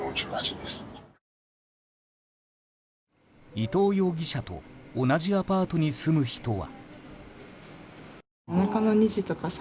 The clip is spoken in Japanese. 伊藤容疑者と同じアパートに住む人は。